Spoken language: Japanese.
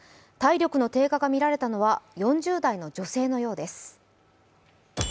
体力の低下が見られたのは４０代の女性のようです。